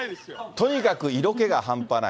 とにかく色気が半端ない。